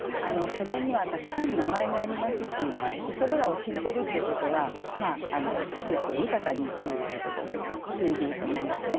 風にはたくさん名前がありますしそれらを知ってるっていうことは季節を豊かに生きるってことに通じると思うんですね。